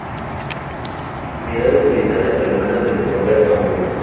Unidades militares alemanas de la Segunda Guerra Mundial